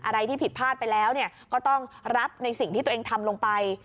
อะไรที่ผิดพลาดไปแล้วก็ต้องรับในสิ่งที่ตัวเองทำลงไป